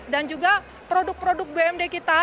dan juga produk produk bumd kita